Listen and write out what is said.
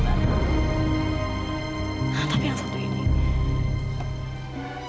tapi yang satu ini